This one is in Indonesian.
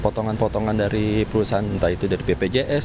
potongan potongan dari perusahaan entah itu dari bpjs